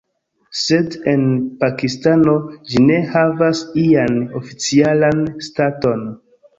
Sed en Pakistano ĝi ne havas ian oficialan staton.